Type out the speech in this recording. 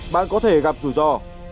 bạn có thể gặp rủi ro